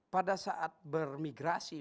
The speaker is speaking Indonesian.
pada saat bermigrasi